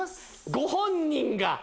ご本人が！